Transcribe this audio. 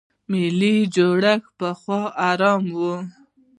ملي جوړښت پخوا حرام و.